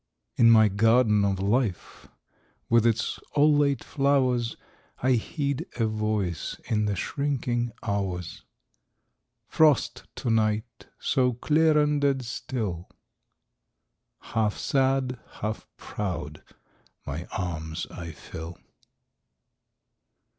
.... .In my garden of Life with its all late flowersI heed a Voice in the shrinking hours:"Frost to night—so clear and dead still" …Half sad, half proud, my arms I fill.